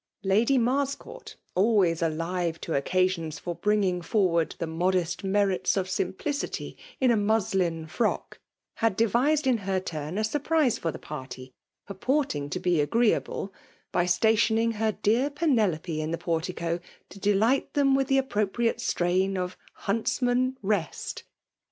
Lady M^scourt, always alive to oecasioos for bring ing forward the modest merits of simplicity in a muslin frock, had devised in her turn a surprise for the party, purporting to be agreeable, by stationing her dear Penelope in the portico to delight them with the appro priate strain of Huntsman, rest